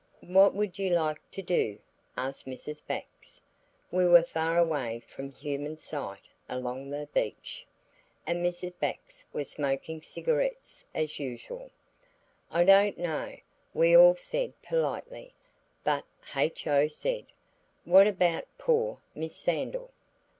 "What would you like to do?" asked Mrs. Bax. We were far away from human sight along the beach, and Mrs. Bax was smoking cigarettes as usual. "I don't know," we all said politely. But H.O. said– "What about poor Miss Sandal?"